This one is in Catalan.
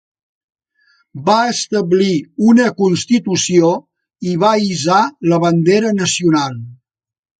Va establir una constitució i va hissar la bandera nacional.